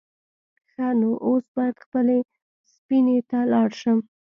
_ښه نو، اوس بايد خپلې سفينې ته لاړ شم.